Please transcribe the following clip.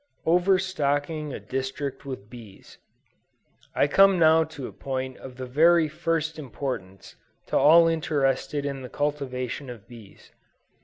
OVERSTOCKING A DISTRICT WITH BEES. I come now to a point of the very first importance to all interested in the cultivation of bees.